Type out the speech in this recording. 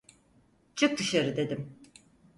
Çık dışarı dedim!